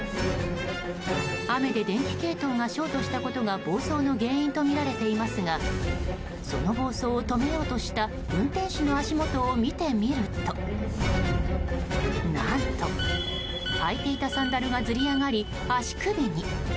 雨で電気系統がショートしたことが暴走の原因とみられていますがその暴走を止めようとした運転手の足元を見てみると何と履いていたサンダルがずり上がり、足首に。